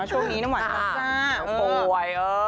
ช่วงนี้น้ำหวานทรักษา